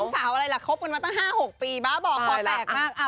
สาวอะไรล่ะคบกันมาตั้ง๕๖ปีบ้าบอกคอแตกมาก